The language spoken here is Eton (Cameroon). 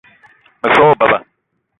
Me so wa beba